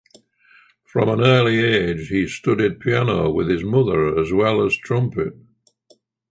From an early age he studied piano with his mother as well as trumpet.